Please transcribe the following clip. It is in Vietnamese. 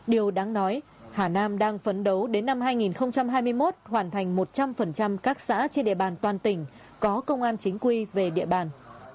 điều đáng nói hà nam đang phấn đấu đến năm hai nghìn hai mươi một hoàn thành một trăm linh các xã trên địa bàn toàn tỉnh có công an chính quy về địa bàn